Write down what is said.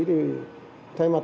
thì thay mặt